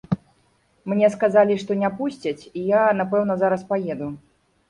Мне сказалі, што не пусцяць і я, напэўна, зараз паеду.